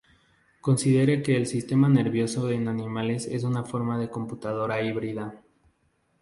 Considere que el sistema nervioso en animales es una forma de computadora híbrida.